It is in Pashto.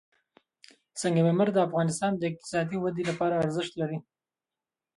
سنگ مرمر د افغانستان د اقتصادي ودې لپاره ارزښت لري.